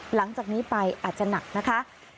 หลังจากนี้ไปอาจจะหนักนะคะ